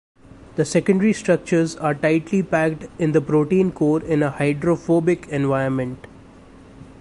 The secondary structures are tightly packed in the protein core in a hydrophobic environment.